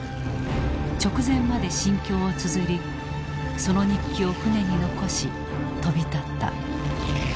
直前まで心境をつづりその日記を船に残し飛び立った。